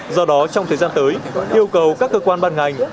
do đó trong thời gian tới yêu cầu các cơ quan bàn ngành